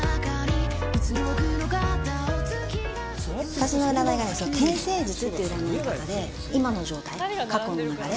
私の占いがね天星術っていう占い方で今の状態過去の流れ